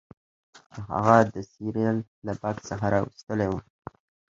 چې هغه د سیریل له بکس څخه راویستلی و